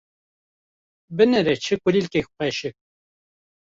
Binêre çi kulîlkek xweşik.